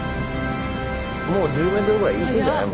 もう１０ｍくらい行ってんじゃない？